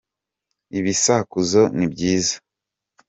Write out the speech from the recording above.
Ibisakuzo ni byiza.